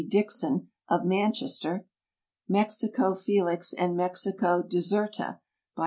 Dixon, of Man chester; Mexico Felix and Mexico Deserta, by MrO.